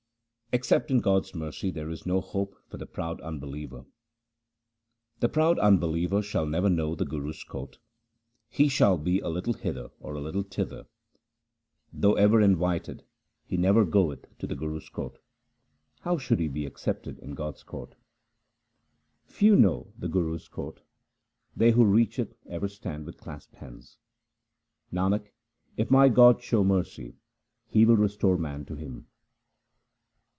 Except in God's mercy there is no hope for the proud unbeliever :— The proud unbeliever shall never know the Guru's court ; he shall be a little hither or a little thither. Though ever invited he never goeth to the Guru's court ; how should he be accepted in God's court ? HYMNS OF GURU AMAR DAS 189 Few know the Guru's court ; they who reach it ever stand with clasped hands. Nanak, if my God show mercy, He will restore man to Him.